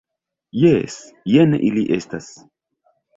Jes; jen ili estas.